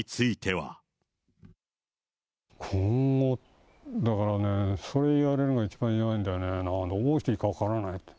今後、だからね、それ言われるのが一番弱いんだよね、だからどうしていいか分からない。